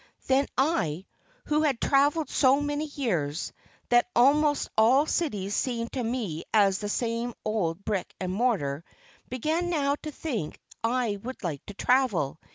Then I, who had travelled so many years, that almost all cities seemed to me as the same old brick and mortar, began now to think I would like to travel.